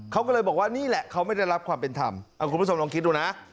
เขาก็เลยบอกว่านี่แหละเขาไม่ได้รับความเป็นธรรมคุณผู้ชมลองคิดดูนะ